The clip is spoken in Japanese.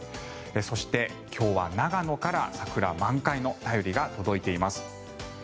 そして、今日は長野から桜満開の便りが届いています。